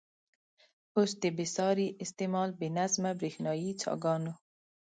اوس د بې ساري استعمال، بې نظمه برېښنايي څاګانو.